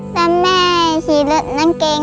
แล้วแม่ฉีดแล้วนางเกง